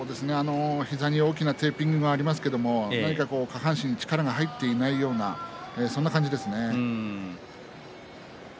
膝に大きなテーピングがありますけれど下半身に力が入っていないような感じでしたね。